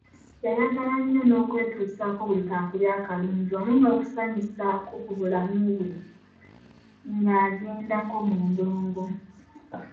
Yayagala nnyo n’okwetuusaako buli kaakulya akalungi wamu n’okusanyusaako ku bulamu bwe ng’agendako mu ndongo.